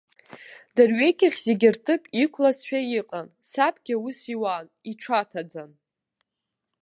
Дырҩегьых зегьы рҭыԥ иқәлазшәа иҟан, сабгьы аус иуан, иҽаҭаӡан.